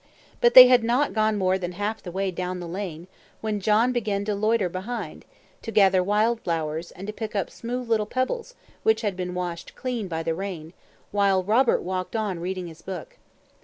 But they had not gone more than half the way down the lane, when John began to loiter behind, to gather wild flowers, and to pick up smooth little pebbles which had been washed clean by the rain, while Robert walked on reading his book.